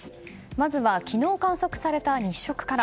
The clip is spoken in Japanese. まずは昨日観測された日食から。